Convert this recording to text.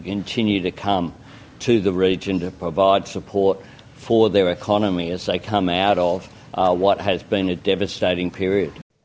ketika mereka keluar dari periode yang sangat mengerikan